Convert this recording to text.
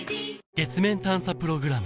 月面探査プログラム